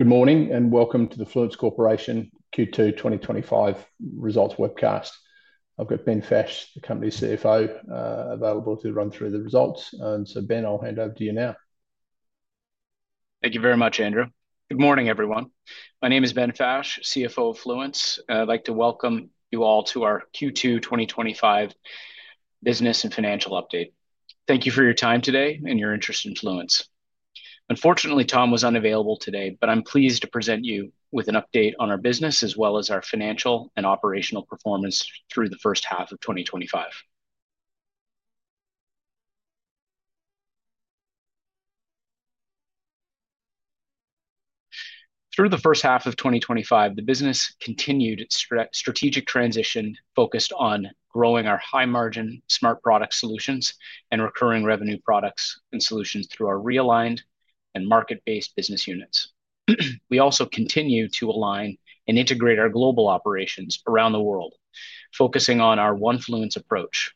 Good morning and welcome to the Fluence Corporation Q2 2025 results webcast. I've got Ben Fash, the company's CFO, available to run through the results. So Ben, I'll hand over to you now. Thank you very much, Andrew. Good morning, everyone. My name is Ben Fash, CFO of Fluence, and I'd like to welcome you all to our Q2 2025 business and financial update. Thank you for your time today and your interest in Fluence. Unfortunately, Tom was unavailable today, but I'm pleased to present you with an update on our business as well as our financial and operational performance through the first half of 2025. Through the first half of 2025, the business continued its strategic transition, focused on growing our high-margin Smart Product Solutions and recurring revenue products and solutions through our realigned and market-based business units. We also continue to align and integrate our global operations around the world, focusing on our One Fluence approach.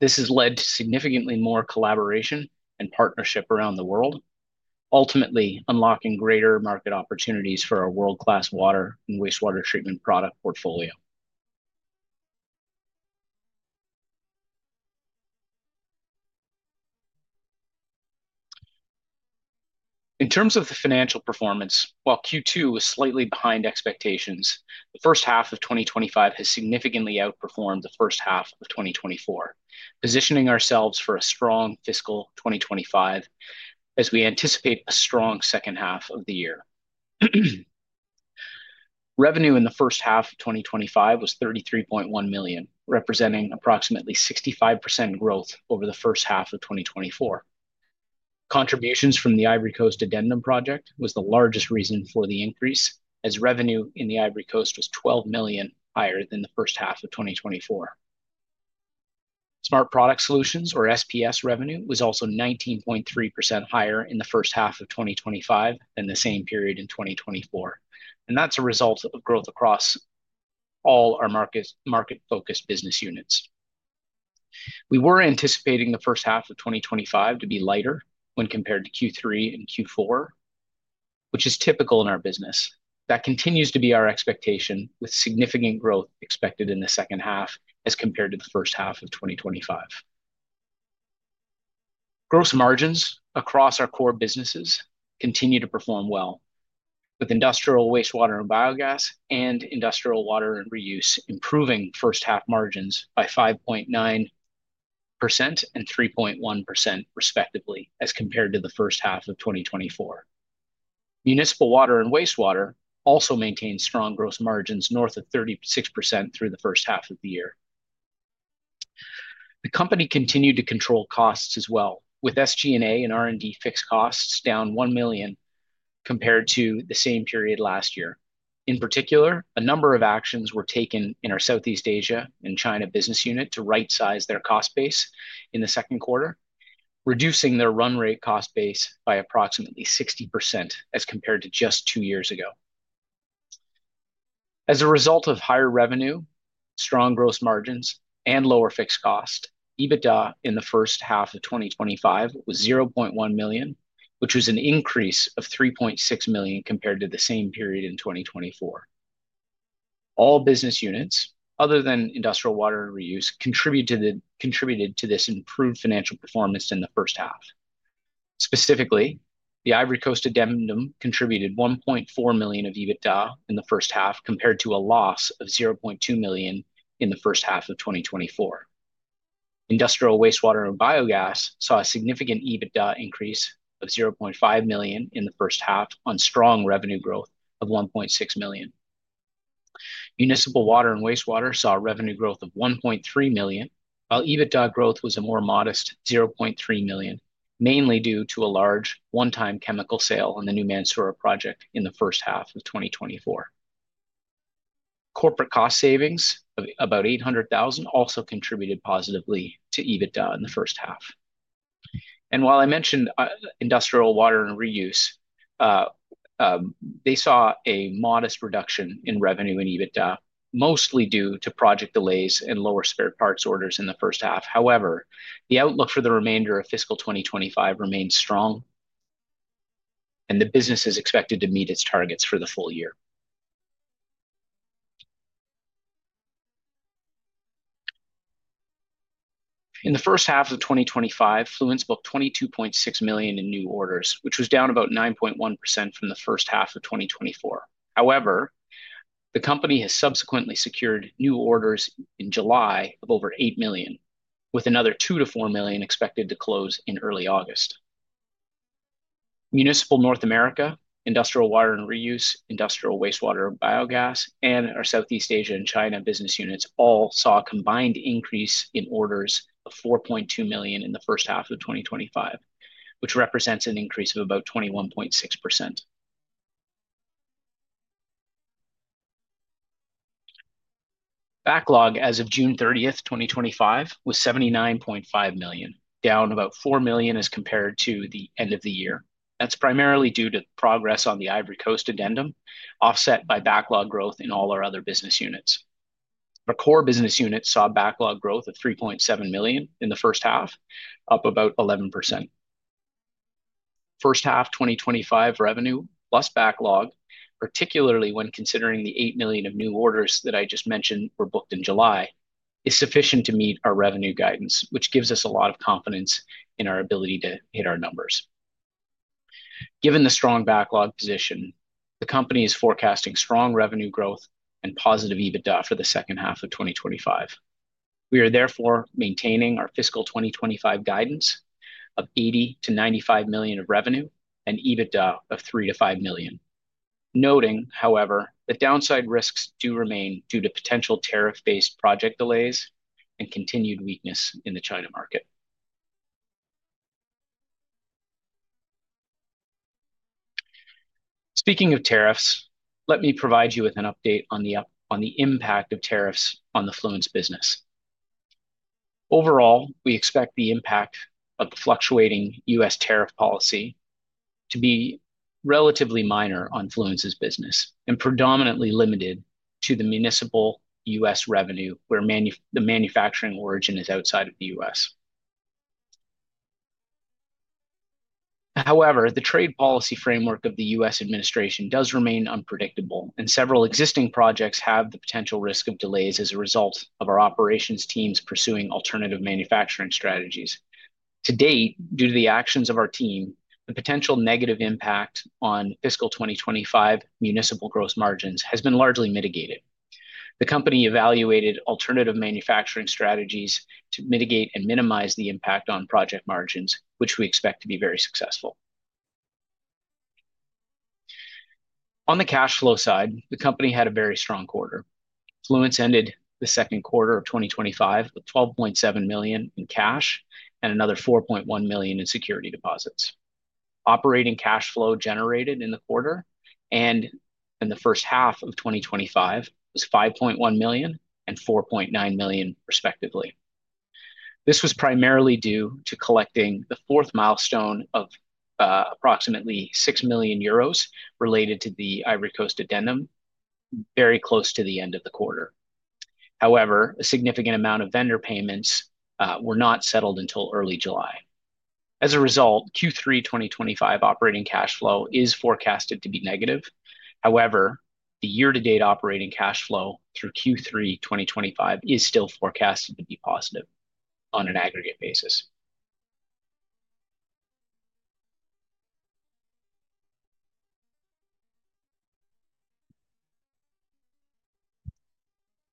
This has led to significantly more collaboration and partnership around the world, ultimately unlocking greater market opportunities for our world-class water and wastewater treatment product portfolio. In terms of the financial performance, while Q2 was slightly behind expectations, the first half of 2025 has significantly outperformed the first half of 2024, positioning ourselves for a strong fiscal 2025 as we anticipate a strong second half of the year. Revenue in the first half of 2025 was 33.1 million, representing approximately 65% growth over the first half of 2024. Contributions from the Ivory Coast Addendum Project was the largest reason for the increase, as revenue in the Ivory Coast was 12 million higher than the first half of 2024. Smart Product Solutions, or SPS, revenue was also 19.3% higher in the first half of 2025 than the same period in 2024. That's a result of growth across all our market-focused business units. We were anticipating the first half of 2025 to be lighter when compared to Q3 and Q4, which is typical in our business. That continues to be our expectation, with significant growth expected in the second half as compared to the first half of 2025. Gross margins across our core businesses continue to perform well, with industrial waste water and biogas and industrial water and reuse improving first half margins by 5.9% and 3.1% respectively as compared to the first half of 2024. Municipal water and waste water also maintained strong gross margins north of 36% through the first half of the year. The company continued to control costs as well, with SG&A and R&D fixed costs down 1 million compared to the same period last year. In particular, a number of actions were taken in our Southeast Asia and China business unit to right-size their cost base in the second quarter, reducing their run rate cost base by approximately 60% as compared to just two years ago. As a result of higher revenue, strong gross margins, and lower fixed costs, EBITDA in the first half of 2025 was 0.1 million, which was an increase of 3.6 million compared to the same period in 2024. All business units, other than industrial water and reuse, contributed to this improved financial performance in the first half. Specifically, the Ivory Coast Addendum contributed 1.4 million of EBITDA in the first half compared to a loss of 0.2 million in the first half of 2024. Industrial wastewater and biogas saw a significant EBITDA increase of 0.5 million in the first half on strong revenue growth of 1.6 million. Municipal water and wastewater saw revenue growth of 1.3 million, while EBITDA growth was a more modest 0.3 million, mainly due to a large one-time chemical sale on the New Mansoura project in the first half of 2024. Corporate cost savings of about 800,000 also contributed positively to EBITDA in the first half. While I mentioned industrial water and reuse, they saw a modest reduction in revenue and EBITDA, mostly due to project delays and lower spare parts orders in the first half. However, the outlook for the remainder of fiscal 2025 remains strong, and the business is expected to meet its targets for the full year. In the first half of 2025, Fluence Corporation booked 22.6 million in new orders, which was down about 9.1% from the first half of 2024. The company has subsequently secured new orders in July of over 8 million, with another 2 to 4 million expected to close in early August. Municipal North America, industrial water and reuse, industrial wastewater and biogas, and our Southeast Asia and China business units all saw a combined increase in orders of 4.2 million in the first half of 2025, which represents an increase of about 21.6%. Backlog as of June 30, 2025, was 79.5 million, down about 4 million as compared to the end of the year. That is primarily due to the progress on the Ivory Coast Addendum, offset by backlog growth in all our other business units. Our core business units saw backlog growth of 3.7 million in the first half, up about 11%. First half 2025 revenue plus backlog, particularly when considering the 8 million of new orders that I just mentioned were booked in July, is sufficient to meet our revenue guidance, which gives us a lot of confidence in our ability to hit our numbers. Given the strong backlog position, the company is forecasting strong revenue growth and positive EBITDA for the second half of 2025. We are therefore maintaining our fiscal 2025 guidance of 80 to 95 million of revenue and EBITDA of 3 to 5 million. Noting, however, that downside risks do remain due to potential tariff-based project delays and continued weakness in the China market. Speaking of tariffs, let me provide you with an update on the impact of tariffs on the Fluence business. Overall, we expect the impact of the fluctuating U.S. tariff policy to be relatively minor on Fluence's business and predominantly limited to the municipal U.S. revenue where the manufacturing origin is outside of the U.S. However, the trade policy framework of the U.S. administration does remain unpredictable, and several existing projects have the potential risk of delays as a result of our operations teams pursuing alternative manufacturing strategies. To date, due to the actions of our team, the potential negative impact on fiscal 2025 municipal gross margins has been largely mitigated. The company evaluated alternative manufacturing strategies to mitigate and minimize the impact on project margins, which we expect to be very successful. On the cash flow side, the company had a very strong quarter. Fluence ended the second quarter of 2025 with 12.7 million in cash and another 4.1 million in security deposits. Operating cash flow generated in the quarter and in the first half of 2025 was 5.1 million and 4.9 million, respectively. This was primarily due to collecting the fourth milestone of approximately 6 million euros related to the Ivory Coast Addendum, very close to the end of the quarter. However, a significant amount of vendor payments were not settled until early July. As a result, Q3 2025 operating cash flow is forecasted to be negative. However, the year-to-date operating cash flow through Q3 2025 is still forecasted to be positive on an aggregate basis.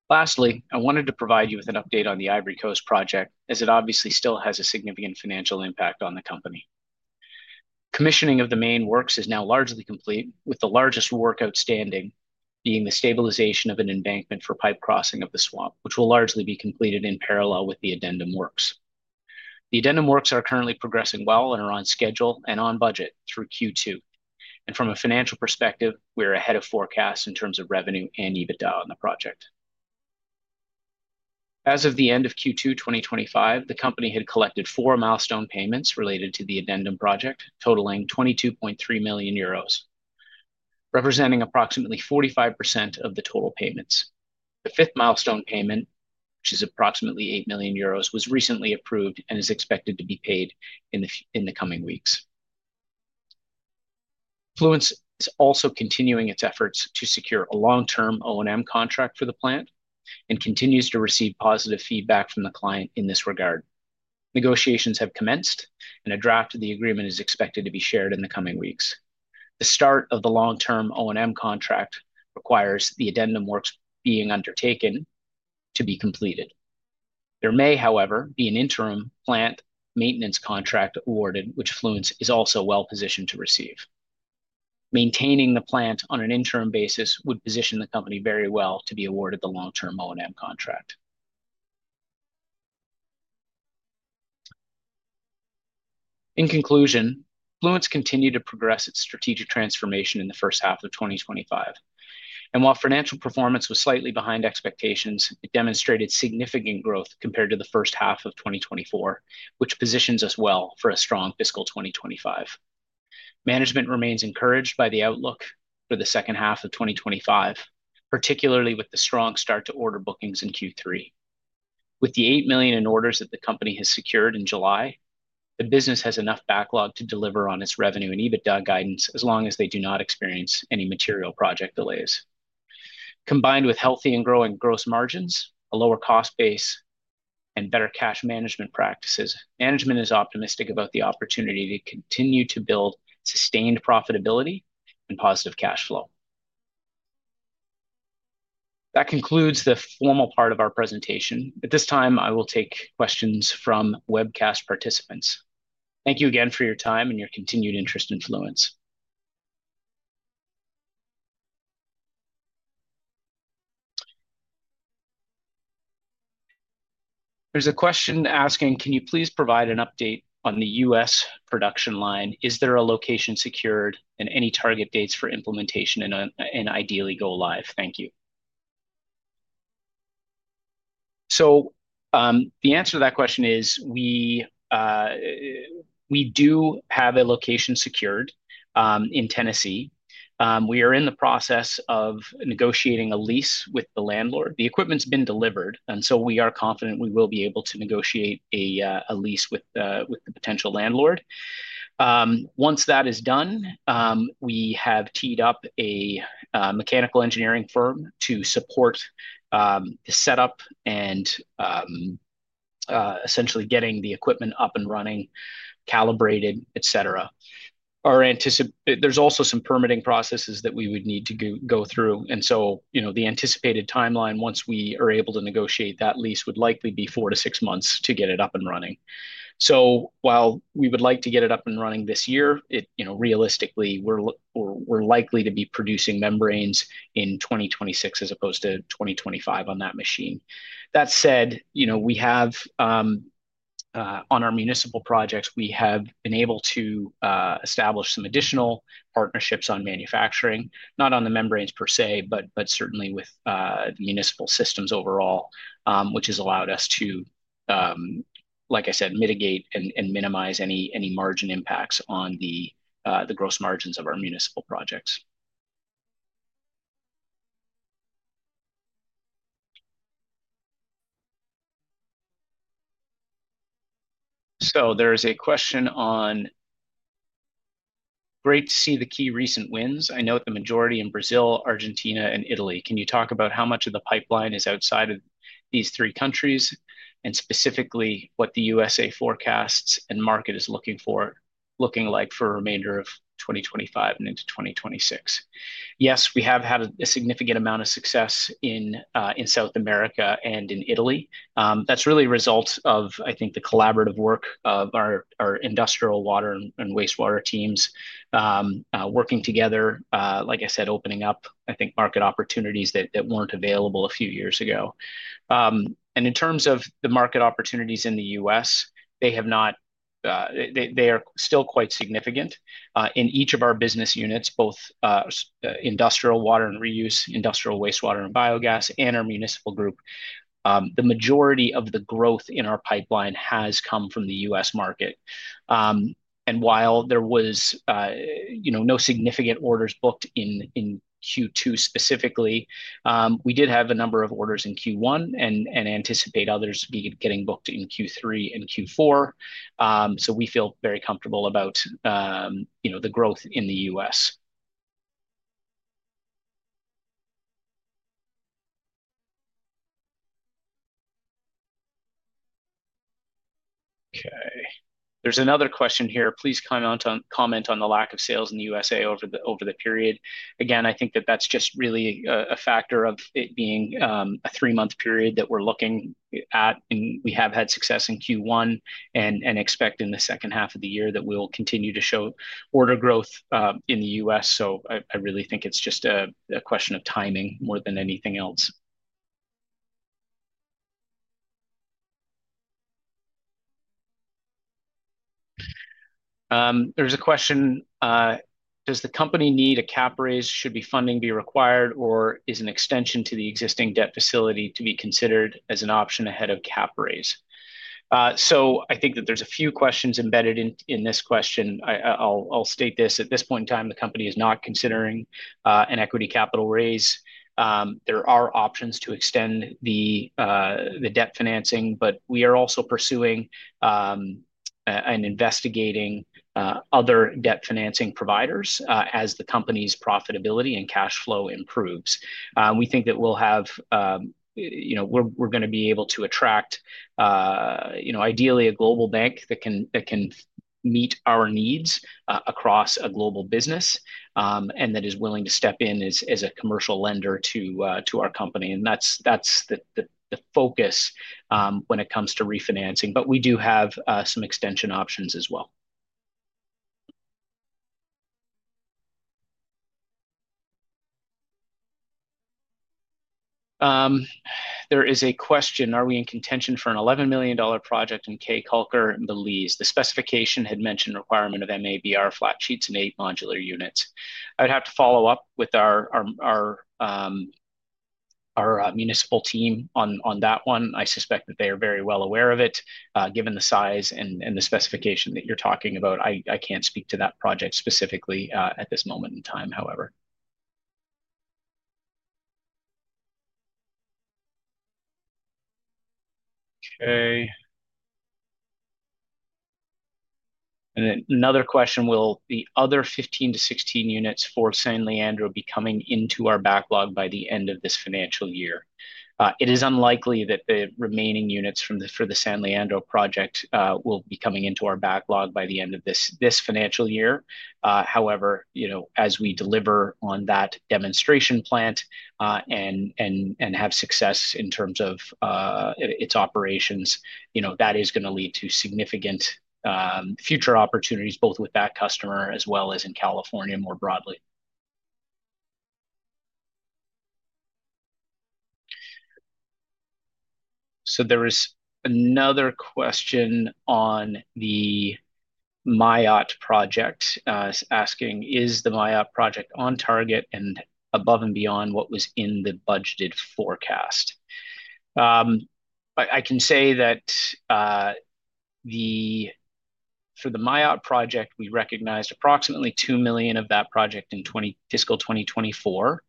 Lastly, I wanted to provide you with an update on the Ivory Coast project, as it obviously still has a significant financial impact on the company. Commissioning of the main works is now largely complete, with the largest work outstanding being the stabilization of an embankment for pipe crossing of the swamp, which will largely be completed in parallel with the addendum works. The addendum works are currently progressing well and are on schedule and on budget through Q2. From a financial perspective, we are ahead of forecasts in terms of revenue and EBITDA on the project. As of the end of Q2 2025, the company had collected four milestone payments related to the addendum project, totaling 22.3 million euros, representing approximately 45% of the total payments. The fifth milestone payment, which is approximately 8 million euros, was recently approved and is expected to be paid in the coming weeks. Fluence is also continuing its efforts to secure a long-term O&M contract for the plant and continues to receive positive feedback from the client in this regard. Negotiations have commenced, and a draft of the agreement is expected to be shared in the coming weeks. The start of the long-term O&M contract requires the addendum works being undertaken to be completed. There may, however, be an interim plant maintenance contract awarded, which Fluence is also well positioned to receive. Maintaining the plant on an interim basis would position the company very well to be awarded the long-term O&M contract. In conclusion, Fluence continued to progress its strategic transformation in the first half of 2025. While financial performance was slightly behind expectations, it demonstrated significant growth compared to the first half of 2024, which positions us well for a strong fiscal 2025. Management remains encouraged by the outlook for the second half of 2025, particularly with the strong start-to-order bookings in Q3. With the 8 million in orders that the company has secured in July, the business has enough backlog to deliver on its revenue and EBITDA guidance as long as they do not experience any material project delays. Combined with healthy and growing gross margins, a lower cost base, and better cash management practices, management is optimistic about the opportunity to continue to build sustained profitability and positive cash flow. That concludes the formal part of our presentation. At this time, I will take questions from webcast participants. Thank you again for your time and your continued interest in Fluence. There's a question asking, can you please provide an update on the U.S. production line? Is there a location secured and any target dates for implementation and ideally go live? Thank you. The answer to that question is we do have a location secured in Tennessee. We are in the process of negotiating a lease with the landlord. The equipment's been delivered, and we are confident we will be able to negotiate a lease with the potential landlord. Once that is done, we have teed up a mechanical engineering firm to support the setup and essentially getting the equipment up and running, calibrated, etc. There are also some permitting processes that we would need to go through. The anticipated timeline once we are able to negotiate that lease would likely be four to six months to get it up and running. While we would like to get it up and running this year, realistically, we're likely to be producing membranes in 2026 as opposed to 2025 on that machine. That said, on our municipal projects, we have been able to establish some additional partnerships on manufacturing, not on the membranes per se, but certainly with the municipal systems overall, which has allowed us to, like I said, mitigate and minimize any margin impacts on the gross margins of our municipal projects. There is a question on, great to see the key recent wins. I note the majority in Brazil, Argentina, and Italy. Can you talk about how much of the pipeline is outside of these three countries and specifically what the U.S.A. forecasts and market is looking for, looking like for the remainder of 2025 and into 2026? Yes, we have had a significant amount of success in South America and in Italy. That's really a result of, I think, the collaborative work of our industrial water and waste water teams working together, like I said, opening up, I think, market opportunities that weren't available a few years ago. In terms of the market opportunities in the U.S, they are still quite significant in each of our business units, both industrial water and reuse, industrial wastewater and biogas, and our municipal group. The majority of the growth in our pipeline has come from the U.S. market. While there were no significant orders booked in Q2 specifically, we did have a number of orders in Q1 and anticipate others getting booked in Q3 and Q4. We feel very comfortable about the growth in the U.S. Okay, there's another question here. Please comment on the lack of sales in the U.S. over the period. I think that's just really a factor of it being a three-month period that we're looking at. We have had success in Q1 and expect in the second half of the year that we'll continue to show order growth in the U.S. I really think it's just a question of timing more than anything else. There's a question. Does the company need a cap raise? Should funding be required, or is an extension to the existing debt facility to be considered as an option ahead of a cap raise? I think that there's a few questions embedded in this question. I'll state this. At this point in time, the company is not considering an equity capital raise. There are options to extend the debt financing, but we are also pursuing and investigating other debt financing providers as the company's profitability and cash flow improves. We think that we're going to be able to attract, ideally, a global bank that can meet our needs across a global business and that is willing to step in as a commercial lender to our company. That's the focus when it comes to refinancing. We do have some extension options as well. There is a question. Are we in contention for an $11 million project in Caye Caulker in Belize? The specification had mentioned the requirement of MABR flat sheets and eight modular units. I'd have to follow up with our municipal team on that one. I suspect that they are very well aware of it. Given the size and the specification that you're talking about, I can't speak to that project specifically at this moment in time, however. Another question. Will the other 15 to 16 units for San Leandro be coming into our backlog by the end of this financial year? It is unlikely that the remaining units for the San Leandro project will be coming into our backlog by the end of this financial year. However, as we deliver on that demonstration plant and have success in terms of its operations, that is going to lead to significant future opportunities, both with that customer as well as in California more broadly. There is another question on the Mayotte project, asking, is the Mayotte project on target and above and beyond what was in the budgeted forecast? I can say that for the Mayotte project, we recognized approximately 2 million of that project in fiscal 2024.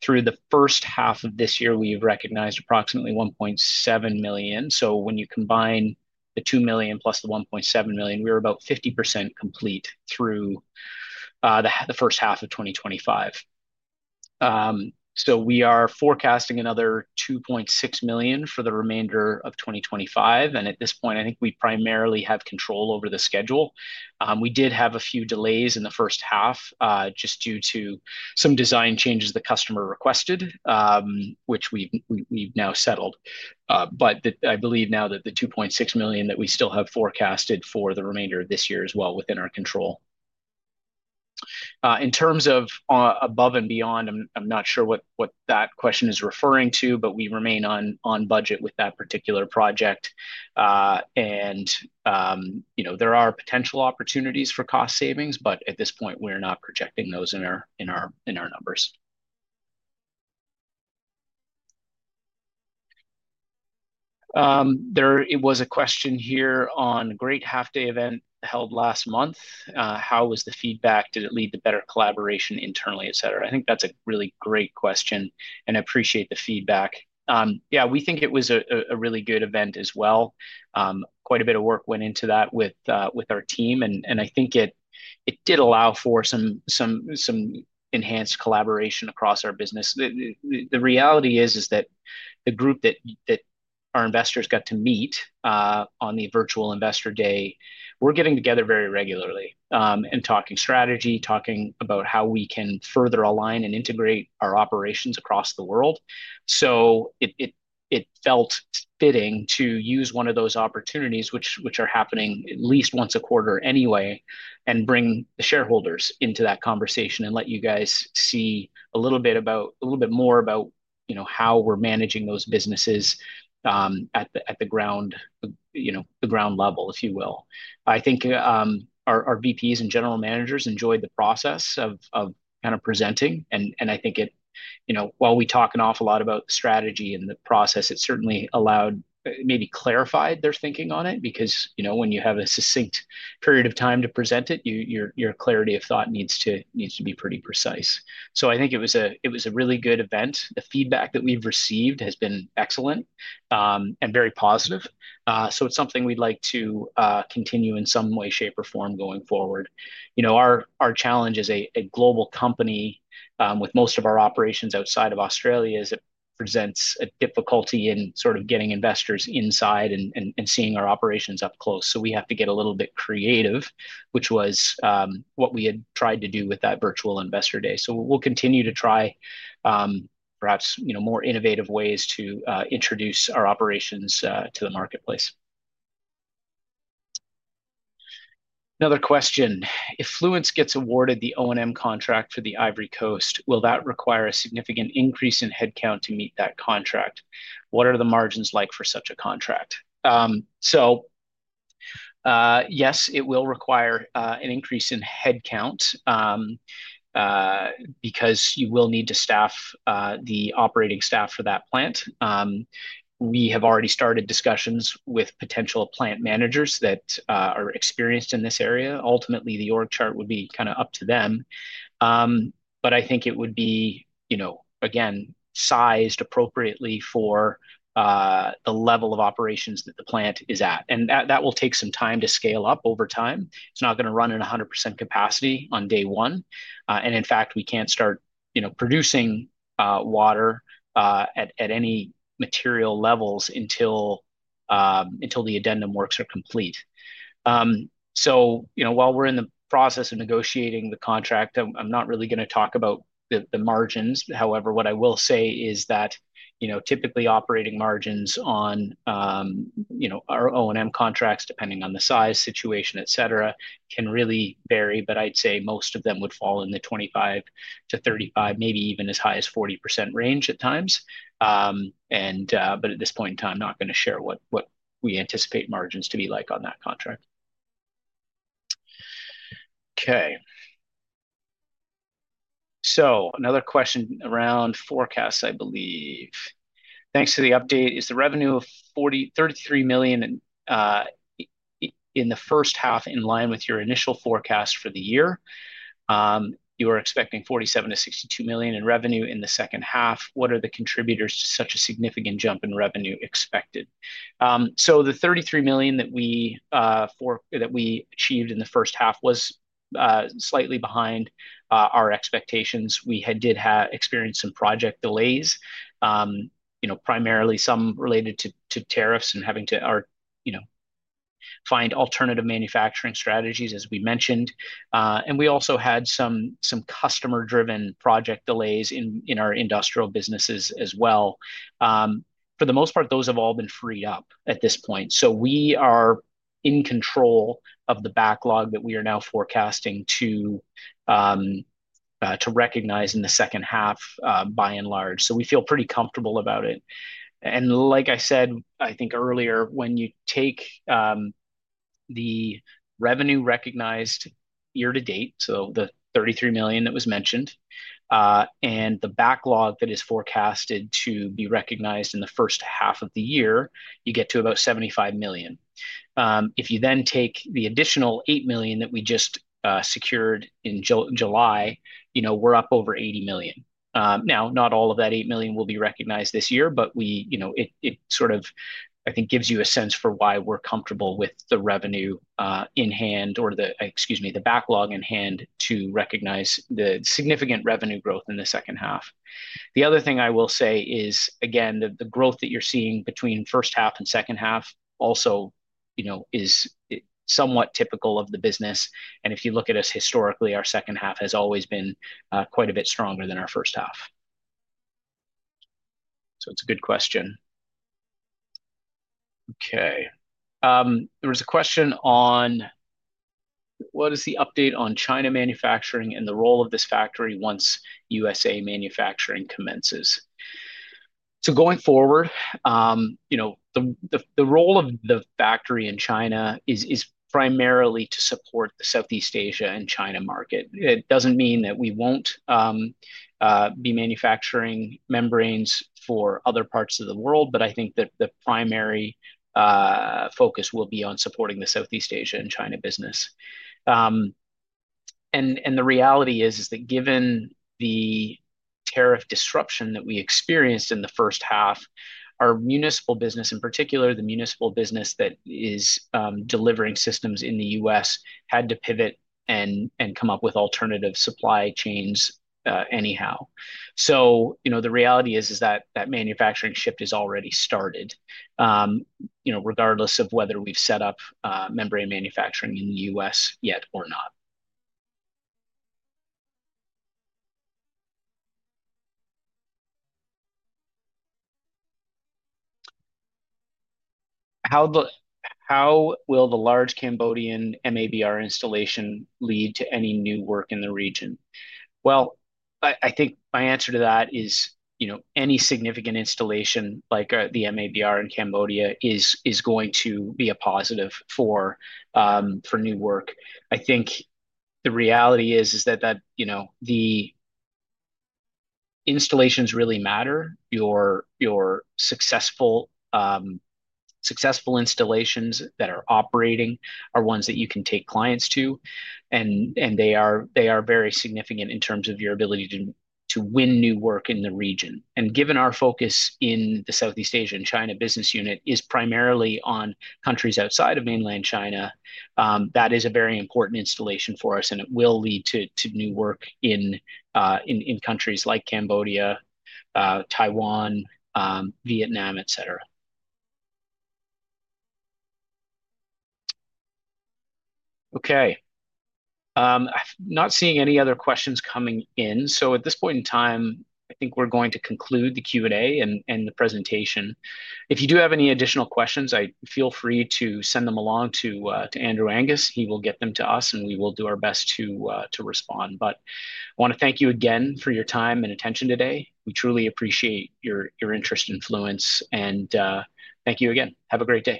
Through the first half of this year, we have recognized approximately 1.7 million. So when you combine the 2 million plus the 1.7 million, we're about 50% complete through the first half of 2025. We are forecasting another 2.6 million for the remainder of 2025. At this point, I think we primarily have control over the schedule. We did have a few delays in the first half just due to some design changes the customer requested, which we've now settled. I believe now that the 2.6 million that we still have forecasted for the remainder of this year is well within our control. In terms of above and beyond, I'm not sure what that question is referring to, but we remain on budget with that particular project. There are potential opportunities for cost savings, but at this point, we're not projecting those in our numbers. There was a question here on a great half-day event held last month. How was the feedback? Did it lead to better collaboration internally, etcetera? I think that's a really great question, and I appreciate the feedback. We think it was a really good event as well. Quite a bit of work went into that with our team, and I think it did allow for some enhanced collaboration across our business. The reality is that the group that our investors got to meet on the virtual investor day, we're getting together very regularly and talking strategy, talking about how we can further align and integrate our operations across the world. It felt fitting to use one of those opportunities, which are happening at least once a quarter anyway, and bring the shareholders into that conversation and let you guys see a little bit more about how we're managing those businesses at the ground level, if you will. I think our VPs and general managers enjoyed the process of kind of presenting, and I think it, while we talk an awful lot about the strategy and the process, it certainly allowed, maybe clarified their thinking on it because when you have a succinct period of time to present it, your clarity of thought needs to be pretty precise. I think it was a really good event. The feedback that we've received has been excellent and very positive. It's something we'd like to continue in some way, shape, or form going forward. Our challenge as a global company with most of our operations outside of Australia is it presents a difficulty in sort of getting investors inside and seeing our operations up close. We have to get a little bit creative, which was what we had tried to do with that virtual investor day. We'll continue to try perhaps more innovative ways to introduce our operations to the marketplace. Another question. If Fluence gets awarded the O&M contract for the Ivory Coast, will that require a significant increase in headcount to meet that contract? What are the margins like for such a contract? Yes, it will require an increase in headcount because you will need to staff the operating staff for that plant. We have already started discussions with potential plant managers that are experienced in this area. Ultimately, the org chart would be kind of up to them. I think it would be, you know, again, sized appropriately for the level of operations that the plant is at. That will take some time to scale up over time. It's not going to run at 100% capacity on day one. In fact, we can't start producing water at any material levels until the addendum works are complete. While we're in the process of negotiating the contract, I'm not really going to talk about the margins. However, what I will say is that typically operating margins on our O&M contracts, depending on the size, situation, etcetera, can really vary. I'd say most of them would fall in the 25% to 35%, maybe even as high as 40% range at times. At this point in time, I'm not going to share what we anticipate margins to be like on that contract. Another question around forecasts, I believe. Thanks for the update. Is the revenue of 33 million in the first half in line with your initial forecast for the year? You are expecting 47 million to 62 million in revenue in the second half. What are the contributors to such a significant jump in revenue expected? The 33 million that we achieved in the first half was slightly behind our expectations. We did experience some project delays, primarily some related to tariffs and having to find alternative manufacturing strategies, as we mentioned. We also had some customer-driven project delays in our industrial businesses as well. For the most part, those have all been freed up at this point. We are in control of the backlog that we are now forecasting to recognize in the second half, by and large. We feel pretty comfortable about it. Like I said, I think earlier, when you take the revenue recognized year-to-date, so the 33 million that was mentioned, and the backlog that is forecasted to be recognized in the first half of the year, you get to about 75 million. If you then take the additional 8 million that we just secured in July, you know, we're up over 80 million. Not all of that 8 million will be recognized this year, but it sort of, I think, gives you a sense for why we're comfortable with the revenue in hand or the, excuse me, the backlog in hand to recognize the significant revenue growth in the second half. The other thing I will say is, again, the growth that you're seeing between first half and second half also is somewhat typical of the business. If you look at us historically, our second half has always been quite a bit stronger than our first half. It's a good question. There was a question on what is the update on China manufacturing and the role of this factory once U.S. manufacturing commences. Going forward, the role of the factory in China is primarily to support the Southeast Asia and China market. It doesn't mean that we won't be manufacturing membranes for other parts of the world, but I think that the primary focus will be on supporting the Southeast Asia and China business. The reality is that given the tariff disruption that we experienced in the first half, our municipal business, in particular, the municipal business that is delivering systems in the U.S., had to pivot and come up with alternative supply chains anyhow. The reality is that manufacturing shift has already started, regardless of whether we've set up membrane manufacturing in the U.S. yet or not. How will the large Cambodian MABR installation lead to any new work in the region? I think my answer to that is any significant installation like the MABR in Cambodia is going to be a positive for new work. The reality is that the installations really matter. Your successful installations that are operating are ones that you can take clients to, and they are very significant in terms of your ability to win new work in the region. Given our focus in the Southeast Asia and China business unit is primarily on countries outside of mainland China, that is a very important installation for us, and it will lead to new work in countries like Cambodia, Taiwan, Vietnam, etcetera. I'm not seeing any other questions coming in. At this point in time, I think we're going to conclude the Q&A and the presentation. If you do have any additional questions, feel free to send them along to Andrew Angus. He will get them to us, and we will do our best to respond. I want to thank you again for your time and attention today. We truly appreciate your interest in Fluence, and thank you again. Have a great day.